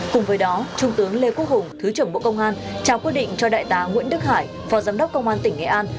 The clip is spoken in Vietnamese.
cùng với đó trung tướng lê quốc hùng thứ trưởng bộ công an trao quyết định cho đại tá nguyễn đức hải phó giám đốc công an tỉnh nghệ an